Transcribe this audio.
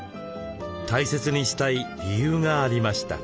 大切にしたい理由がありました。